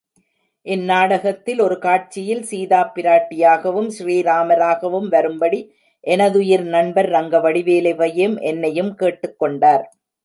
இந்நாடகத்தில் ஒரு காட்சியில் சீதாப் பிராட்டியாகவும், ஸ்ரீராமராகவும் வரும்படி, எனதுயிர் நண்பர் ரங்கவடிவேலுவையும் என்னையும் கேட்டுக் கொண்டார்.